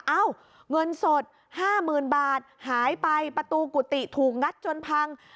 เอ้าเงินสด๕๐๐๐บาทหายไปประตูกุฏิถูกงัดจนพัง